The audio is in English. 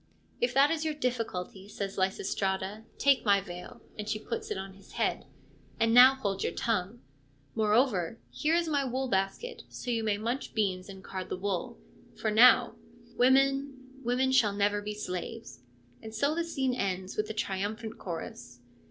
' If that is your difficulty,' says Lysistrata, ' take my veil '— and she puts it on his head —■ and now hold your tongue ; moreover, here is my wool basket, so you may munch beans and card the wool ; for now " Women, women never shall be slaves." ' And so the scene ends with the triumphant chorus.